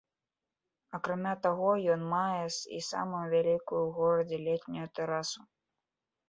Акрамя таго, ён мае і самую вялікую ў горадзе летнюю тэрасу.